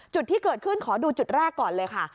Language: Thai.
จุดที่เกิดขึ้นขอดูจุดแรกก่อนเลยค่ะ